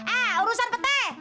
eh urusan petek